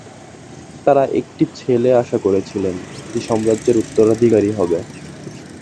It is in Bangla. তারা একটি ছেলে আশা করছিলেন যে সম্রাজ্যের উত্তরাধিকারী হবে।